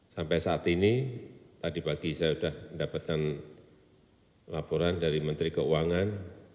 sampai saat ini tadi pagi saya sudah mendapatkan laporan dari menteri keuangan